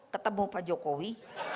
ketemu pak jokowi